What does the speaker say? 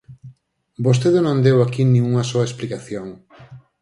Vostede non deu aquí nin unha soa explicación.